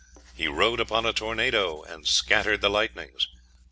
"He rode upon a tornado, and scattered the lightnings."